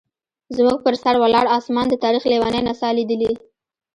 زموږ پر سر ولاړ اسمان د تاریخ لیونۍ نڅا لیدلې.